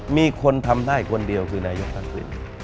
มีคนทำได้คนเดียวคือนายกทักษิณ